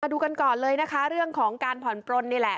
ดูกันก่อนเลยนะคะเรื่องของการผ่อนปลนนี่แหละ